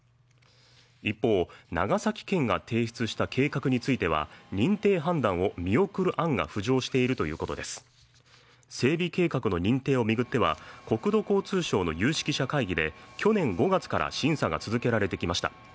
一方、長崎県が提出した計画については、認定判断を見送る案が浮上しているということです整備計画の認定を巡っては、国土交通省の有識者会議で、去年５月から審査が続けられてきました。